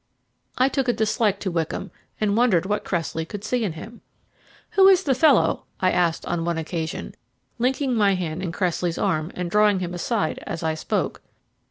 I took a dislike to Wickham, and wondered what Cressley could see in him. "Who is the fellow?" I asked on one occasion, linking my hand in Cressley's arm and drawing him aside as I spoke.